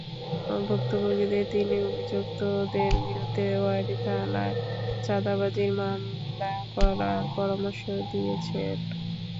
ভুক্তভোগীদের তিনি অভিযুক্তদের বিরুদ্ধে ওয়ারী থানায় চাঁদাবাজির মামলা করার পরামর্শ দিয়েছেন।